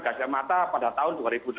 gajah mata pada tahun